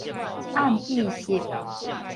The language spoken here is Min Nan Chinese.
暗意識